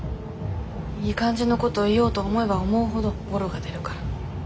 いい感じのこと言おうと思えば思うほどぼろが出るから。